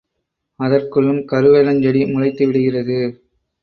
அதற்குள்ளும் கருவேலஞ் செடி முளைத்துவிடுகிறது.